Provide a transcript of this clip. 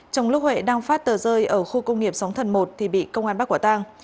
trong lúc huệ đang phát tờ rơi ở khu công nghiệp sóng thần một thì bị công an bắt quả tang